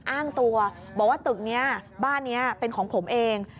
อ้างตัวบอกว่าตึกนี้บ้านนี้เป็นของผมเอง